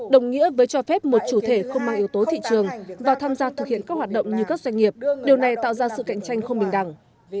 đồng nghĩa với cho phép một chủ thể không mang yếu tố thị trường và tham gia thực hiện các hoạt động như các doanh nghiệp điều này tạo ra sự cạnh tranh không bình đẳng